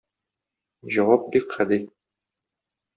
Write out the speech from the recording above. Җавап бик гади.